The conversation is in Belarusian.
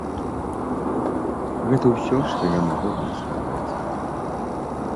Гэта ўсё, што я магу вам сказаць.